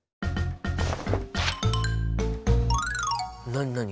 何何？